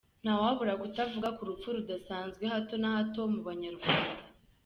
– Ntawabura kutavuga ku rupfu rudasanzwe hato na hato mu banyarwanda.